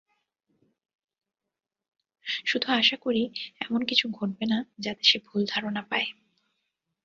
শুধু আশা করি এমন কিছু ঘটবে না যাতে সে ভুল ধারণা পায়।